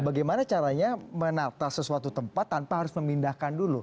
bagaimana caranya menata sesuatu tempat tanpa harus memindahkan dulu